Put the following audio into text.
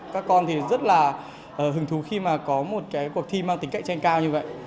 các con thì rất là hứng thú khi mà có một cái cuộc thi mang tính cậy trên cao như vậy